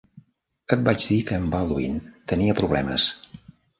Et vaig dir que en Baldwin tenia problemes.